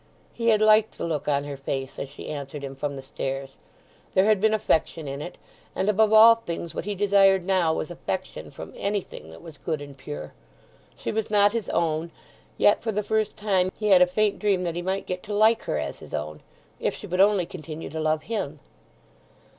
He had liked the look on her face as she answered him from the stairs. There had been affection in it, and above all things what he desired now was affection from anything that was good and pure. She was not his own, yet, for the first time, he had a faint dream that he might get to like her as his own,—if she would only continue to love him.